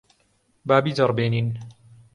با بیجەڕبێنین.